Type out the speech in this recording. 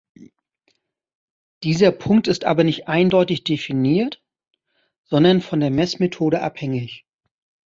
Dieser Punkt ist aber nicht eindeutig definiert, sondern von der Messmethode abhängig.